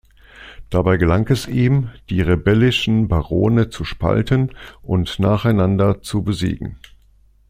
Dabei gelang es ihm, die rebellischen Barone zu spalten und nacheinander zu besiegen.